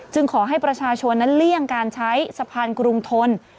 ขอให้ประชาชนนั้นเลี่ยงการใช้สะพานกรุงทน